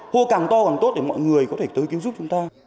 hô càng to càng tốt để mọi người có thể tới kiếm giúp chúng ta